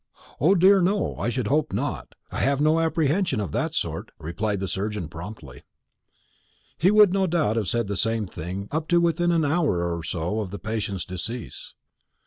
"O dear, no, I should hope not. I have no apprehension of that sort," replied the surgeon promptly. He would no doubt have said the same thing up to within an hour or so of the patient's decease.